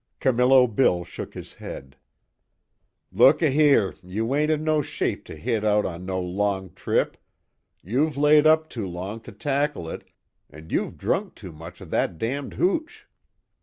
Camillo Bill shook his head: "Look a here, you ain't in no shape to hit out on no long trip. You've laid up too long to tackle it, an' you've drunk too much of that damned hooch.